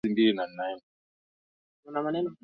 Mnamo mwaka elfu mbili na tisa Ronaldo alikuwa